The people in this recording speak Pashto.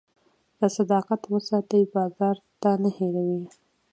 که صداقت وساتې، بازار تا نه هېروي.